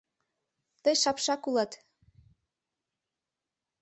— Тый шапшак улат.